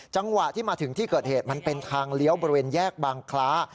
จังหวะที่มาถึงที่เกิดเหตุมันเป็นทางเลี้ยวบริเวณแยกบางคล้า